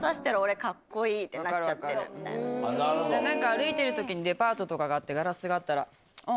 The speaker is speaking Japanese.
歩いてる時にデパートとかがあってガラスがあったら。